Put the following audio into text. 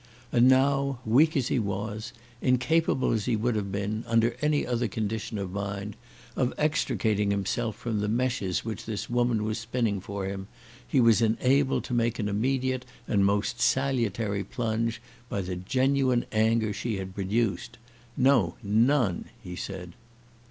And now, weak as he was, incapable as he would have been, under any other condition of mind, of extricating himself from the meshes which this woman was spinning for him, he was enabled to make an immediate and most salutary plunge by the genuine anger she had produced. "No, none," he said.